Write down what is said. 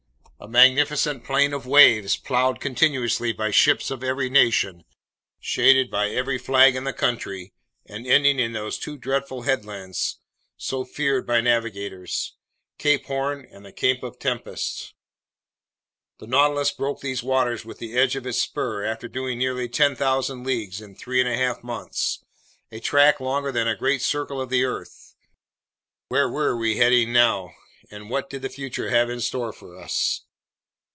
A magnificent plain of waves plowed continuously by ships of every nation, shaded by every flag in the world, and ending in those two dreadful headlands so feared by navigators, Cape Horn and the Cape of Tempests! The Nautilus broke these waters with the edge of its spur after doing nearly 10,000 leagues in three and a half months, a track longer than a great circle of the earth. Where were we heading now, and what did the future have in store for us?